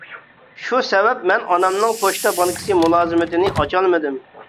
شۇ سەۋەب مەن ئانامنىڭ پوچتا بانكىسى مۇلازىمىتىنى ئاچالمىدىم.